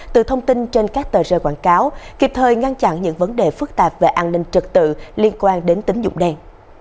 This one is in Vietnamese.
từ thông tin trên các tờ rơi quảng cáo kịp thời ngăn chặn những vấn đề phức tạp về an ninh trực tự liên quan đến tính dụng đen